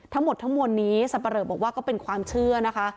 ทั้งหมดทั้งมวลนี้สับปะเหลอบอกว่าก็เป็นความเชื่อนะคะ